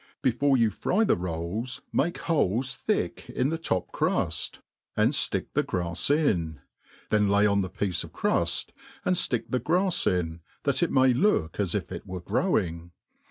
Before you fry the rolls, make holes thick in the top crufl, ai4d flick the grafs in ; then lay on the piece of cruft, and flick the grafs in, that it may look as if it were growing.